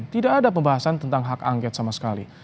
tidak ada pembahasan tentang hak angket sama sekali